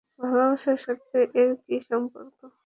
ভালোবাসার সাথে এর কী সম্পর্ক?